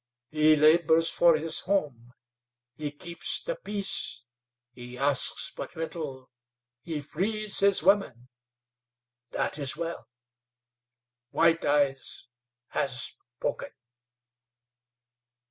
He labors for his home; he keeps the peace; he asks but little; he frees his women. That is well. White Eyes has spoken."